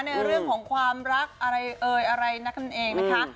ในเรื่องของความรักอะไรเอ่ยอะไรนักนั่นเองนะคะ